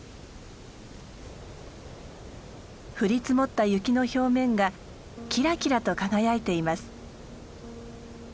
降り積もった雪の表面がキラキラと輝いています。